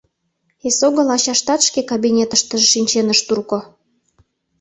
Эсогыл ачаштат шке кабинетыштыже шинчен ыш турко.